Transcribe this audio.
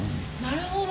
なるほど。